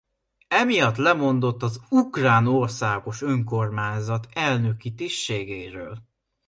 Emiatt lemondott az Ukrán Országos Önkormányzat elnöki tisztségéről.